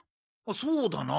そうだな。